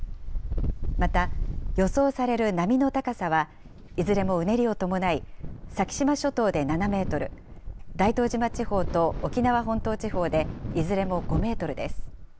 また予想される波の高さは、いずれもうねりを伴い、先島諸島で７メートル、大東島地方と沖縄本島地方でいずれも５メートルです。